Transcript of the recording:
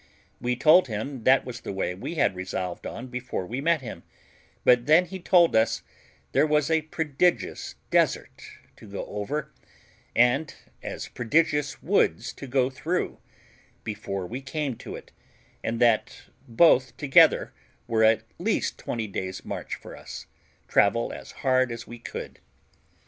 We told him, that was the way we had resolved on before we met with him; but then he told us there was a prodigious desert to go over, and as prodigious woods to go through, before we came to it, and that both together were at least twenty days' march for us, travel as hard as we could.